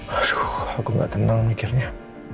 masuk aku gak tenang mikirnya